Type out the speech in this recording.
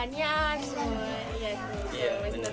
ya itu tidak bagus untuk saya